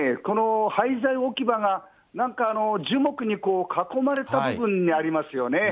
廃材置き場が、なんか樹木に囲まれた部分にありますよね。